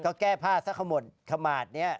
ก็แก้ผ้าซะข้าวหมดขมาดเนี่ย